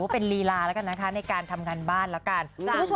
เป็นลีลาแล้วกันนะคะในการทำงานบ้านแล้วกัน